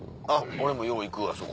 俺もよう行くわそこ。